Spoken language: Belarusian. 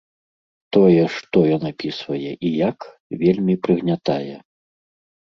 Тое, што ён апісвае і як, вельмі прыгнятае.